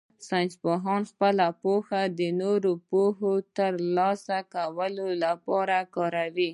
ساینسپوه خپله پوهه د نوې پوهې د ترلاسه کولو لپاره کاروي.